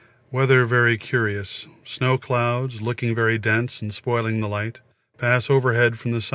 Weather very curious, snow clouds, looking very dense and spoiling the light, pass overhead from the S.